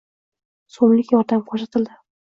so'mlik yordam ko'rsatildi